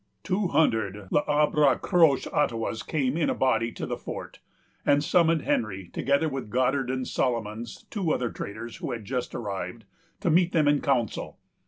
Two hundred L'Arbre Croche Ottawas came in a body to the fort, and summoned Henry, together with Goddard and Solomons, two other traders, who had just arrived, to meet them in council.